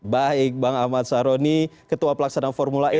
baik bang ahmad saroni ketua pelaksanaan formula e